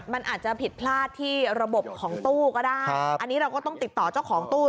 มันอาจจะผิดพลาดที่ระบบของตู้ก็ได้อันนี้เราก็ต้องติดต่อเจ้าของตู้